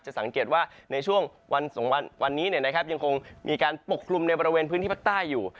จะสังเกตว่าในช่วงวันสองวันวันนี้เนี่ยนะครับยังคงมีการปกลุ่มในบริเวณพื้นที่พักใต้อยู่